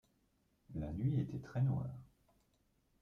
La nuit était très noire.